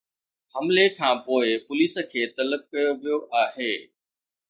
حملي کانپوءِ پوليس کي طلب ڪيو ويو آهي